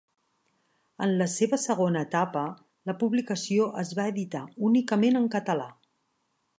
En la seva segona etapa, la publicació es va editar únicament en català.